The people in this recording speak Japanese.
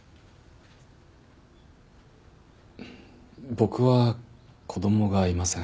僕は子供がいません。